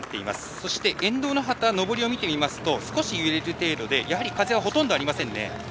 そして沿道の旗のぼりを見てみますと少し揺れる程度で風はほとんどありません。